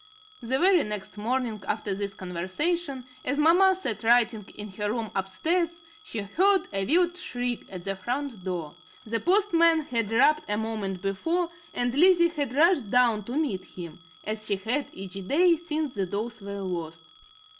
The very next morning after this conversation, as mamma sat writing in her room upstairs, she heard a wild shriek at the front door. The postman had rapped a moment before, and Lizzie had rushed down to meet him, as she had each day since the dolls were lost.